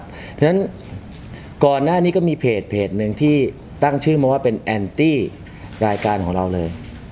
เพราะฉะนั้นก่อนหน้านี้ก็มีเพจหนึ่งที่ตั้งชื่อมาว่าเป็นแอนตี้รายการของเราเลย